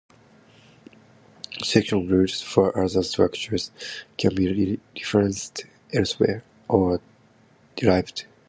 Selection rules for other structures can be referenced elsewhere, or derived.